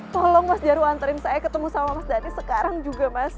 tolong mas jaru anterin saya ketemu sama mas dhani sekarang juga mas